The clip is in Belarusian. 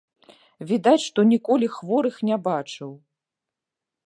Відаць, што ніколі хворых не бачыў.